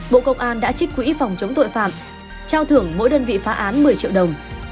bộ công an đã trích quỹ phòng chống tội phạm trao thưởng mỗi đơn vị phá án một mươi triệu đồng